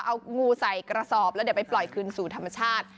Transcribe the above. เอางูใส่กระสอบแล้วเดี๋ยวไปปล่อยคืนสู่ธรรมชาติ